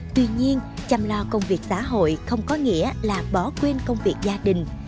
tuy nhiên chăm lo công việc xã hội không có nghĩa là bỏ quên công việc gia đình